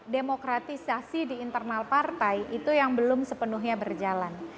demokratisasi di internal partai itu yang belum sepenuhnya berjalan